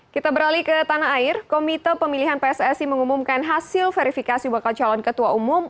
kita beralih ke tanah air komite pemilihan pssi mengumumkan hasil verifikasi bakal calon ketua umum